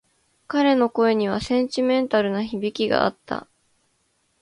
彼の声にはセンチメンタルな響きがあった。